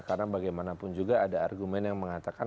karena bagaimanapun juga ada argumen yang mengatakan